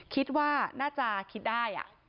คิดว่าน่าจะคิดได้